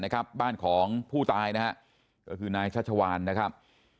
นะครับบ้านของผู้ตายนะฮะคือในคะชวานนะครับ